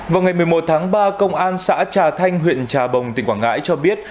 vào ngày một mươi một tháng ba công an xã trà thanh huyện trà bồng tỉnh quảng ngãi cho biết